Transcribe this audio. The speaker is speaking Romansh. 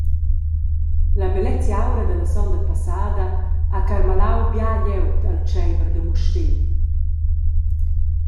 La bellezi’aura dalla sonda passada ha carmalau bia glieud al tscheiver da Mustér.